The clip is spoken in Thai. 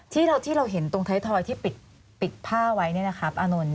ที่เราเห็นตรงไทยทอยที่ปิดผ้าไว้เนี่ยนะครับอานนท์